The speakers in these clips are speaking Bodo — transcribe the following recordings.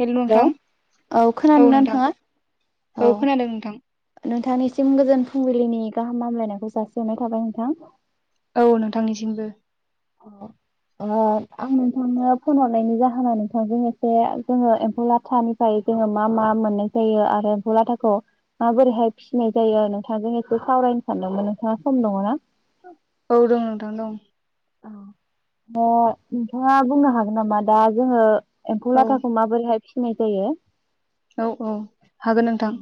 हेल' नोंथां हेल' औ खोनादोंना नोंथाङा? औ खोनादों नोंथां औ नोंथांनि सिम गोजोन फुंबिलिनि गाहाम हामलायनायखौ जासिहरनाय थाबाय नोंथां। औ नोंथांनिसिमबो। ओ आं नोंथांनो फन हरनायनि जाहोना नोंथांजों एसे जोङो एम्फौ लाथानिफ्राय जोङो मा मा मोननाय जायो आरो एम्फौ लाथाखौ माबोरैहाय फिसिनाय जायो नोंथांजों एसे सावरायनो सानदोंमोन नोंथाङा सम दङ ना? औ दं नोंथां दं। ओ नोंथाङा बुंनो हागोन नामा दा जोङो एम्फौ औ लाथाखौ माबोरैहाय नाय जायो। औ औ हागोन औ नोंथां।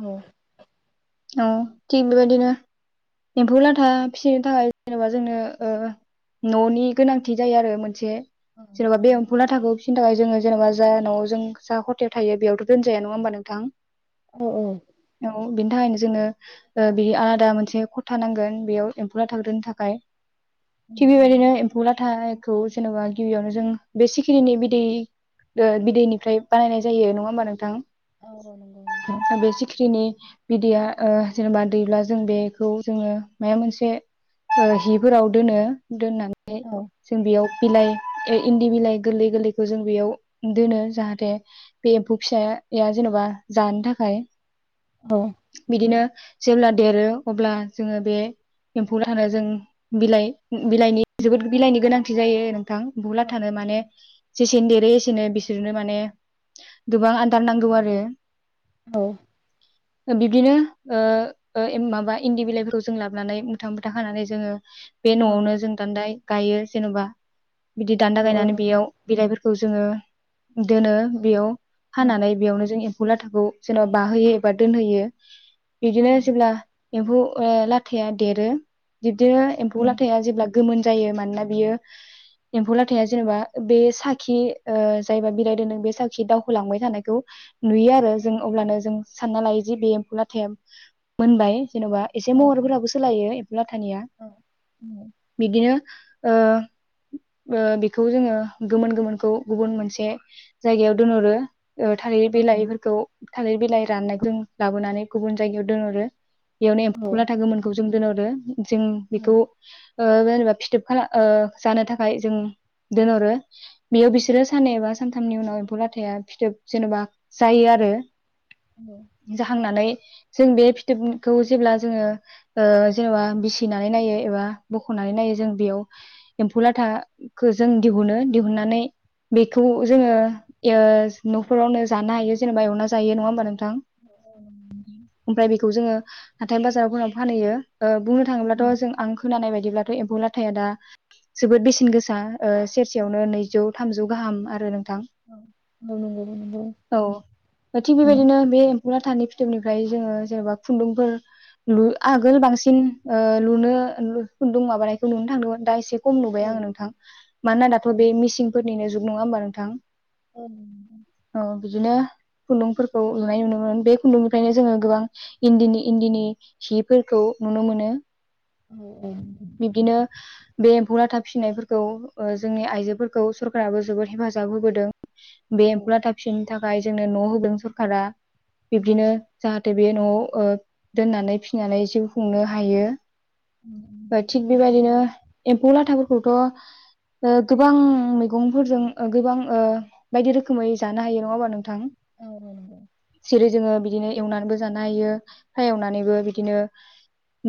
औ औ थिग बेबायदिनो एम्फौ लाथा फिसिनो थाखाय जेनेबा जोंनो ओ न'नि गोनांथि जायो आरो मोनसे। जेन'बा बे एमफु लाथाखौ फि बेनि थाखाय जोङो जेनबा जा न'आव जों जा खथायाव थायो बेयावथ' दोनजाया नङा होमबा नोंथां? औ औ औ बिनि थाखायनो जोंनो ओ बे आलादा मोनसे खथा नांगोन बेयाव एम्फौलाखौ थाननो थाखाय। थिक बेबायदिनो एम्फौ लाथा खौ जेनेबा गिबियावनो जों बे सिखिरिनि बिदै ओ बिदैनिफ्राय बानायनाय जायो। नङा होमबा नोंथां? बे सिख्रिनि [inaudible] बिदैया ओ जेनेबा दैब्ला जों बेखौ जोङो मा मोनसे हिफोराव दोनो। दोननानै औ जों बेयाव बिलाइ इन्दि बिलाइ गोरलै गोरलैखौ जों बेयाव दोनो जाहाथे बे एम्फौ फिसाया जेन'बा जानो थाखाय औ बिदिनो जेब्ला देरो अब्ला जोङो बे एम्फौ लाथा जों बिलाइ बिलाइनि जोबोद बिलाइनि गोनांथि जायो। गां औ एमफुला थानो माने जेसेनो देरो एसेनो बिसोरनो माने गोबां आदार नांगौ आरो औ बिब्दिनो ओ ओ एन माबा इन्दि बिलाइफोरखौ जों लाबोनानै मुथा मुथा खानानै जोङो बे औ न'आवनो जों दानदाय गायो जेन'बा बिदि औ दान्दा औ गायनानै नंगौ बेयाव बिलाइफोरखौ खौ जोङो दोनो बेयाव औ हानानै बेयावनो जों एम्फौ लाथाखौ जेन'बा बाहोयो एबा दोनहोयो। औ बिदिनो जेब्ला एम्फौ ओ लाथाया देरो दिफ बे औ एमफौ लाथाय जेब्ला गोमोन जायो मानोना बियो एम्फौ लाथाया जेनोबा बे साखि ओ जायबा बिलाइ दोन्दों बे साखि दावहोलांबाय थानायखौ नुयो आरो औ जों अब्लानो जों सानना लायो जि बे एम्फौ लाथाया मोनबाय। जेन'बा एसे औ महरफोराबो सोलायो एम्फौ लाथानिया, औ बिदिनो ओ ओ बेखौ जोङो गोमोन गोमोनखौ गुबुन मोनसे जायगायाव दोनहरो ओ थालिर बिलाइफोरखौ थालिर बिलाइ दान्नायजों लाबोनानै गुबुन जायगायाव दोनहरो। बेयावनो औ एम्फौ लाथा गोनमोनखौ जों दोनहरो जों औ बेखौ ओ जेनेबा फिथोब खालाम ओ जानो थाखाय जों दोनहरो बेयो बिसोरो साननै एबा सानथामनि उनाव एम्फौ लाथाया फिथोब जेन'बा जायो आरो। जाहांनानै जों बे फिथोबखौ जेब्ला जोङो ओ जेनोबा बिसिनानै नायो एबा बख'नानै नायो जों बेयाव एम्फौ लाथाखौ जों दिहुनो दिहुननानै बेखौ जोङो इयो न'फोरावनो जानो हायो जेनोबा एवना जायो नङा होमबा नोंथां? अ ओमफ्राय बेखौ जोङो हाथाय बाजारफोराव फानहैयो ओ बुंनो थाङोब्लाथ' जों आं खोनानाय बायदिब्ला बे एम्फौ लाथाया दा जोबोद बेसेन गोसा ओ सेरसेयावनो नैजौ थामजौ गाहाम आरो नोंथां। औ नंगौ औ नंगौ औ, थिग बेबादिनो बे एम्फौ लाथानि फिथोबनि फ्राय जोङो जेनोबा खुन्दुंफोर आगोल बांसिन ओ लुनो खुन्दुं माबानायखौ नुनो थांदोंमोन दा एसे खम नुबाय आङो नोंथां मानोना दाथ' बे मिसिनफोर निनो जुग नङा होमबा नोंथां? औ। बिदिनो खुन्दुंफोरखौ नुनाय नुनोमोन बे खुन्दुं फ्रायनो जोङो गोबां इन्दिनि इन्दिनि सिफोरखौ नुनो मोनो। औ औ। बिब्दिनो बे एम्फौ लाथा फिनायफोरखौ ओ जोंनि आइजोफोरखौ सरकाराबो जोबोद हेफाजाब होबोदों बे औ एम्फौ लामा फिन थाखाय जोंनो न' होदों सरखारा। बिब्दिनो। औ बे न'आव दोननानै फिनानै जिउ खुंनो हायो। थिग बेबायदिनो एम्फौ लाथाफोरखौथ' ओ गोबां मैगंफोरजों ओ गोबां ओ बायदि रोखोमै जानो हायो नङा होमबा नोंथां? सिरि जोङो बिदिनो एवनानैबो जानो हायो फ्राय एवनानैबो बिदिनो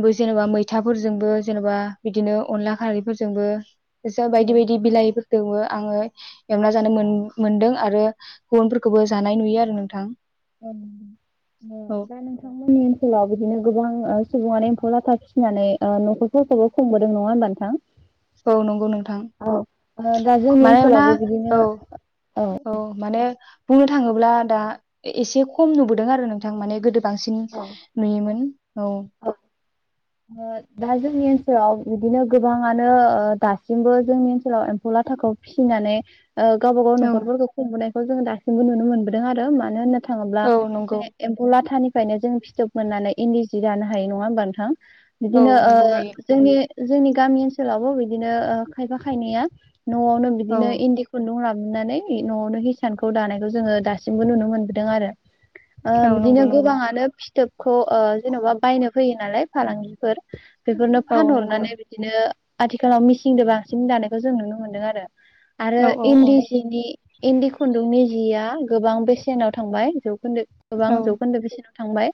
बो जेनेबा मैथाफोरजोंबो जेन'बा बिदिनो अनला खारैफोरजोंबो सो बायदि बायदि बिलाइफोर दोवो आङो एवना जानो मो मोनदों आरो गुबुनफोरखौबो जानाय नुयो आरो नोंथां। औ। ओ औ दा नोंथांमोननि ओनसोलाव बिदिनो गोबां सुबुङानो एम्फौ लाथा फिसिनानै ओ न'खरफोरखौबो खमबोदों नङा होनोमबा नोंथां? औ नंगौ नोंथां औ ओ दा जोंनि मानोना ओनसोलावबो बिदिनो औ औ माने बुंनो थाङोब्ला दा एसे खम नुबोदों आरो नोंथां माने गोदो बांसिन औ नुयोमोन। औ। ओ दा जोंनि ओनसोलाव बिदिनो गोबाङानो ओ दासिमबो जोंनि ओनसोलाव एम्फौ लाथाखौ फिसिनानै ओ गावबागाव नखरफोरखौ खुंबोनाय खौ जोङो दासिबो नु मोनबोदों आरो मानो होनोब थाङोब्ला औ नंगौ ए एम्फौ लामानिफ्राय खायनो जों फिथोब मोननानै इन्दि जि जानो हायो नङा होमब नोंथां? औ बिदिनो नंगौ ओ हायो जोंनि जोंनि गामि ओनसोलावबो बिदिनो ओ खायफा खायनैया न'आवनो औ बिदिनो इन्दि खुन्दुं लाबो हनानै न'आवनो हिसानखौ दानायखौ जोङो दासिमबो नुनो मोनबोदों आरो। ओ औ बिदिनो नंगौ नंगौ गोबाङानो फि फिटोब खौ ओ जेन'बा बायनो फैयो नालाय फालांगिफोर। बेफोरनो औ नंगौ फानहरनानै बिदिनो आथिखालाव मिसिंजों बांसिन दानायखौ जों नुनो मोनदों आरो। आरो औ औ इन्दि सिनि इन्दि खुन्दुंनि जिया गोबां बेसेनाव थांबाय जौखोन्दो गोबां औ जौन्दो बेसेनाव थांबाय।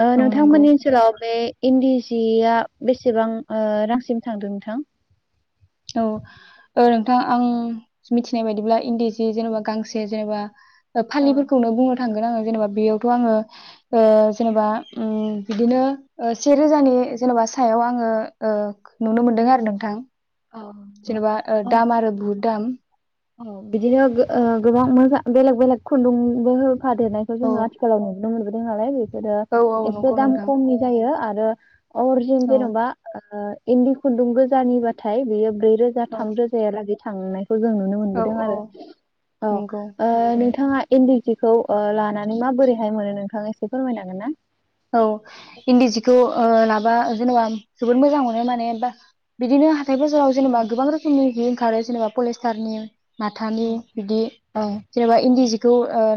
ओ औ नंगौ नोंथांमोननि ओनसोलाव बे इन्दि सिया बेसेबां ओ रांसिम थांदों नोंथां? औ ओ नोंथां आं मिथिनाय बायदिब्ला इन्दि जि जेनेबा गांसे जेनेबा औ फालिफोरखौनो बुङो। थांगोन आङो जेनेबा बेयावथ' आङो जेनेबा बिदिनो सेे रोजानि जेनेबा सायाव आङो नुनो मोनदों आरो नोंथां। जेनेबा दाम आरो बहुत दाम। औ बिदिनो गोबां मोजां बेलेग बेलेग खुन्दुंबो होफादेरनायखौ जों औ आथिखालाव नुनो मोनबोदों नालाय। औ औ एसे नंगौ दाम नोंथां खमनि जायो आरो। [inaudible] अरजिनेल औ जेन'बा। इन्दि खुन्दुं गोजानिबाथाय बेयो ब्रै रोजा औ थाम रोजाया लागै थांनायखौ जों नुनो औ मोनबोदों औ आरो नंगौ नोंथांआ इन्दि हिखौ लानानै माबोरैहाय मोनो नोंथाङा एसे फोरमायनो हागोनना। औ इन्दि जिखौ ला जेनेबा जोबोद मोजां मोनो मानो बिदिनो हाथाइ बाजाराव जेनेबां गोबां रोखोमनि ओंखारो जेनेबा पलिसथारनि। माथानि बिदि औ जेनेबा इन्दि जि बेखौ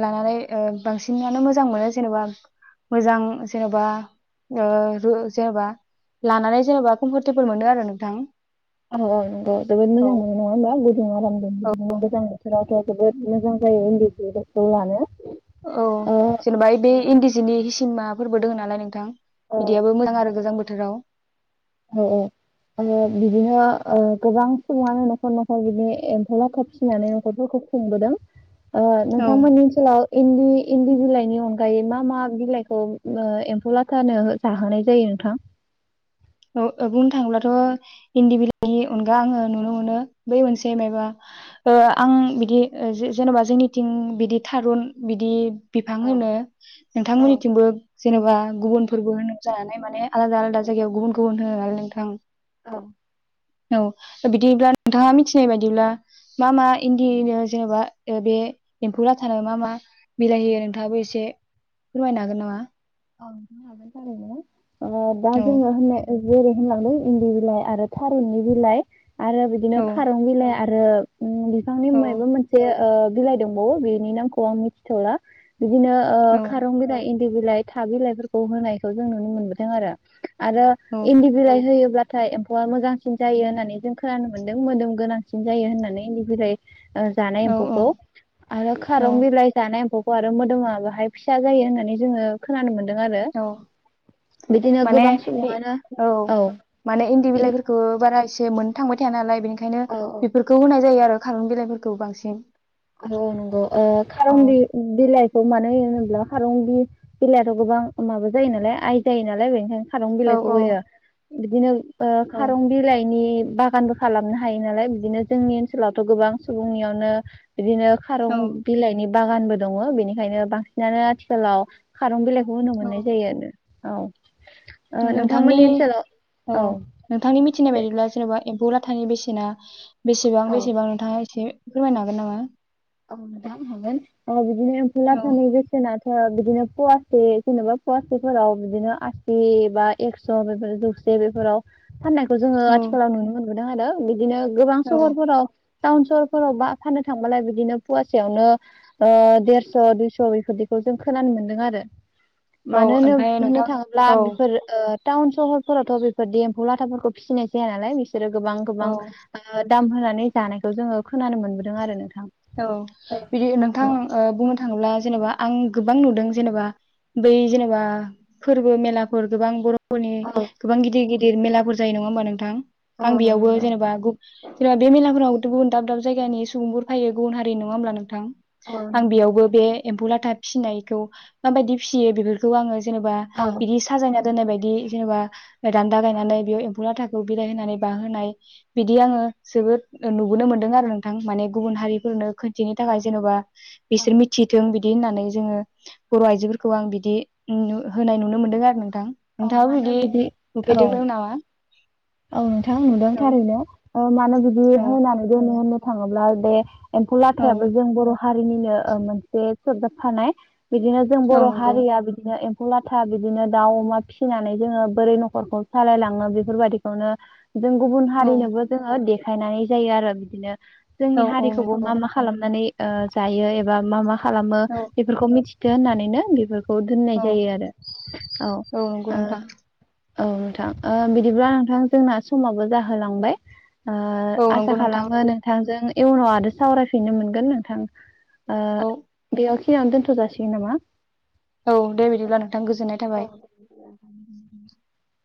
लानानै बांसिनानो मोजां मोनो जेनेबा मोजां जेनेबा जेनेबा लानानै जेनेबा कमफरटेबोल मोनो आरो नोंथां। औ औ नंगौ जोबोद औ औ मोजां मोनो नङा होनबा गुदुं आरामजों बिदिनो गोजां बोथोरावथ' जोबोद मोजां जायो इन्दि जिफोरखौ लानो। औ ओ जेनेबा बे इन्दि जिनि माफोरबो दङ नालाय नोंथां। औ बिदियाबो मोजां आरो गोजां बोथोराव। औ औ आरो बिदिनो गोबां सुबुङानो न'खर न'खर बिदि एम्फौ लाथा फिसिनानै न'खरफोरखौ खुंबोदों। औ नोंथांमोननि ओनसोलाव इन्दि इन्दि बिलाइनि अनगायै मा मा बिलाइखौ एम्फौ लाथानो जाहोनाय जायो नोंथां? बुंनो थाङोब्लाथ' इन्दि बिलाइनि अनगा आङो नुनो मोनो बै मोनसे मायबा आं बिदि जेन'बा जोंनिथिं बिदि थारुन बिदि बिफां होनो नोंथांमोननिथिंबो जेनेबा गुबुनफोरबो होनजानाय माने आलादा आलादा जायगायाव गुबुन [unintelligible] आरो नोंथां औ बिदिब्ला नोंथाङा मिथिनाय बायदिब्ला मा मा इन्दिनो जेनेबा बे एम्फौ लाथानो मा मा बिलाय औ होयो नोंथाङाबो एसे फोरमायनो हागोन नामा? [unintelligible] ओ दा औ जोङो होननाय जेरै होनलांदों इन्दि बिलाइ आरो थारुननि बिलाइ आरो बिदिनो औ खारं बिलाइ। आरो उम बिफांनि औ मायबा मोनसे ओ बिलाइ दंबावो बिनि नामखौ आं मिथिथ'ला बिदिनो ओ औ खारं बिलाइ इ [unintelligible] बिलाय था बिलाइफोरखौ होनायखौ जों नुनो मोनबोदों आरो। आरो इन्दि बिलाइ होयोब्ला थाय एम्फौआ मोजांसिन जायो होननानै जों खोनानो मोनदों मोदोम गोनांसिन जायो होननानै इन्दि‌ बिलाय ओ जानाय औ एम्फौखौ आरो औ खारं बिलाइ जानाय एम्फौ आरो मोदोमा बाहाय फिसा जायो होननानै जोङो खोनानो मोन औ माने गोबां इ सुबुङानो औ माने इन्दि इन- बिलाइफोरखौ बारा इस [unintelligible] मोननो थांबाय थाया नालाय बेनि ओंखायनो बेफोरखौ होनाय जायो आरो। खारं बिलाइफोरखौ बांसिन आरो अ नंगौ ओ खारं औ बि बिलाय खौ मानो होयो होनोब्ला खारुं बि बिलायाथ' गोबां माबा जायो नालाय आइ जायो नालाय बेनिखायनो खारं औ बिलाइखौ औ होयो। बिदिनो ओ औ खारं बिलाइनि बागानबो खालामनो हायो नालाय बिदिनो जोंनि ओनसोलावथ' गोबां सुबुंनियावनो बिदिनो औ खारं बिलाइनि बागानबो दङ' बेनिखायनो बांसिनानो आथिखालाव खारं बिलाइ खौ होनो मोननाय औ जायो। औ ओ नोंथांनि नोंथांमोननि ओनसोलाव औ नोंथांनि मिथिनाय दे बायदिब्ला जेनेबा एम्फौ लाथानि बेसेना बेसेबां बेसेबां नोंथाङा एसे फोरमायनो हागोन नामा? अ नोंथां हागोन अ बिदिनो एमबु औ राजानि बेसेनाथ [unintelligible] बिदिनो फुवासे जेनो'बा फवासेफोराव बिदिनो आसि बा एक्स' बेफोर जौसे बेफोराव फाननायखौ जोङो औ आथिखालाव नुनो मोनो। नुदों आरो बिदिनो गोबां औ सहरफोराव टाउन सहरफोराव बा फानो थांबाला बिदिनो फवासेयावनो ओ देरस' दुइस' बेफोरदिखौ जों खोनानो मोनदों आरो। औ मानो होनो ओमफ्राय होनो होननो नोंथां थाङोब्ला औ बेफोर ओ टाउन सहरफोरावथ' बेफोर एम्फौ लाथाफोरखौ फिसिनाय जाया नालाय बिसोरो गोबां गोबां औ दाम होनानै जानायखौ जोङो खोनानो मोनबोदों आरो नोंथां। औ बिदि नोंथां बुंनो थाङोब्ला जेनेबा आं गोबां नुदों जेनेबा बै जेनेबा फोरबो मेलाफोर गोबां बर' फोरनि गोबां गिदिर गिदिर मेलाफोर जायो नङा होमबा नोंथां आं बेयावबो जेनेबा बे मेलाफोराव गुबुन दाब दाब जायगानि सुबुंफोर फायो गुबुन हारि नङा होनब्ला नोंथां? आं बेयावबो बे एम्फौ लाथा फिसिनायखौ माबायदि फिसियो बेफोरखौ आङो जेनेबा बिदि साजायना दोननाय बायदि जेनेबा दान्दा गायनानै बेयाव एम्फौ लाथाखौ बिरायाय होनानै बाहोनाय बिदि आङो जोबोद नुबोनो मोनदों आरो नोंथां माने गुबुन हारिफोरनो खोनथिनो थाखाय जेन'बा बिसोर मिथिथों बिदि होननानै जोङो बर' आइजोफोरखौ आं बिदि होनाय नुनो मोनदों आरो नोंथाङाबो बिदि औ नुफेरदोंमोन नामा? औ नोंथां नुदों औ थारैनो माने औ [unintelligible] होनानै बुङो होननो थाङोब्ला बे एम्फौ औ लाथायाबो जों बर' जोंनिनो मोनसे सरजाबफानाय बिदिनो जों औ बर' नंगौ हारिया बिदिनो लाथा बिदिनो दाउ अमा फिसिनानै जोङो बोरै न'खरखौ सालायलाङो बेफोरबायदि [unintelligible] जों गुबुन औ हारिनोबो जोङो दे खायनाय जायो आरो बिदिनो जोंनि औ औ हारिखौबो नंगौ मा मा खालामनानै ओ जायो एबा मा मा खालामो औ बेफोरखौ मिथि होननानैनो बे खौ दोननाय औ जायो आरो औ। नंगौ नोंथां औ नोंथां बिदिब्ला जोंना समाबो जाहोलांबाय ओ औ आसा नंगौ नोंथां खालामो नोंथांजों इउनाव आरो सावरायफिननो मोनगोन नोंथां। ओ औ बे सिननो दोनथ' जाासिगोन नामा? औ दे बिदिब्ला नोंथां गोजोननाय थाबाय। उ [inaudible]